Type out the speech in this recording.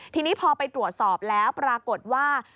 ทีนี้พอไปตรวจสอบแล้วปรากฏว่า